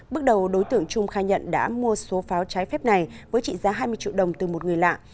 bước đầu đối tượng trung khai nhận đã mua số pháo trái phép này với trị giá hai mươi triệu đồng từ một người lạ